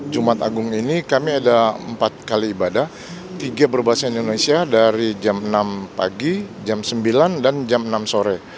jumat agung ini kami ada empat kali ibadah tiga berbahasa indonesia dari jam enam pagi jam sembilan dan jam enam sore